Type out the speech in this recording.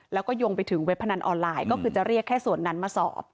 แล้วก็ยงไปถึงเว็บพนันออนไลน์ก็คือจะเรียกแค่ส่วนนั้นมาสอบ